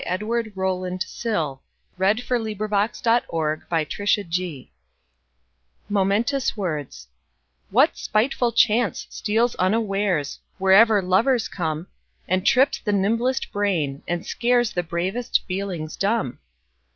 Edward Rowland Sill 1841–1887 Edward Rowland Sill 209 Momentous Words WHAT spiteful chance steals unawaresWherever lovers come, And trips the nimblest brain and scaresThe bravest feelings dumb?